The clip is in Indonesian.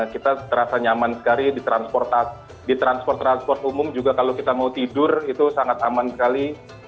kita terasa nyaman sekali di transport transport umum juga kalau kita mau tidur itu sangat aman sekali